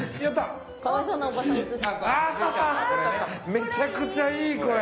めちゃくちゃいいこれ。